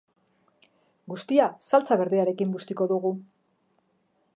Guztia saltsa berdearekin bustiko dugu.